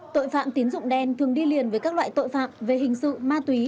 tội phạm tín dụng đen thường đi liền với các loại tội phạm về hình sự ma túy